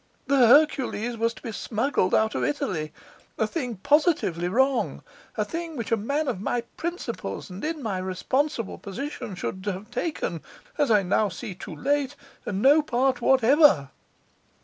The Hercules was to be smuggled out of Italy; a thing positively wrong, a thing of which a man of my principles and in my responsible position should have taken (as I now see too late) no part whatever.